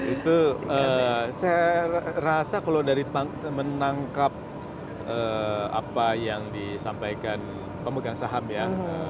itu saya rasa kalau dari menangkap apa yang disampaikan pemegang saham ya